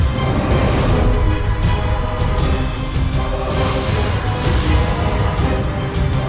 sangat berilmu tinggi